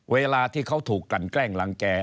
เวลาที่เขาถูกกันแกล้งรังแก่